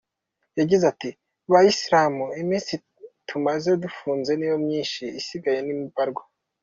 Yagize ati “bayisilamu, iminsi tumaze dufunze ni yo myinshi; isigaye ni mbarwa.